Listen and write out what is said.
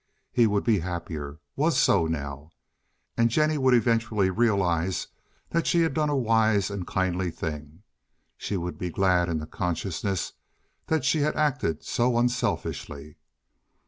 He would be happier—was so now. And Jennie would eventually realize that she had done a wise and kindly thing; she would be glad in the consciousness that she had acted so unselfishly.